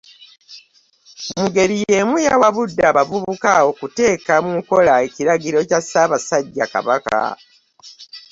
Mu ngeri y'emu yawabudde abavubuka okuteeka mu nkola ekiragiro kya Ssaabasajja Kabaka.